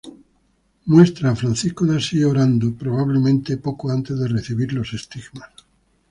Muestra a Francisco de Asís orando, probablemente poco antes de recibir los estigmas.